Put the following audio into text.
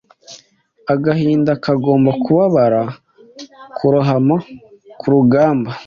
Agahinda kagomba kubabara kurohama kurugamba